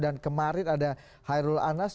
dan kemarin ada hairul anas